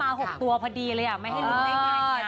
นานแล้วมา๖ตัวพอดีเลยอ่ะไม่ให้รู้ได้ง่าย